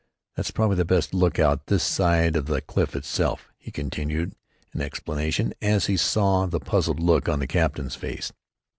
"That's probably the best lookout this side of the cliff itself!" he continued, in explanation, as he saw the puzzled look on the captain's face.